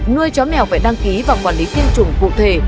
nuôi chó mèo phải đăng ký vào quản lý tiên chủng cụ thể